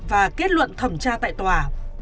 và kết luận thẩm tra tại tòa